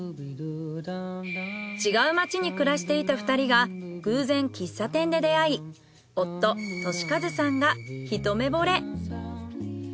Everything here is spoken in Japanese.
違う町に暮らしていた２人が偶然喫茶店で出会い夫敏和さんが一目惚れ。